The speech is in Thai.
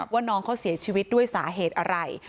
ว่าน้องเขาเสียชีวิตด้วยสาเหตุอะไร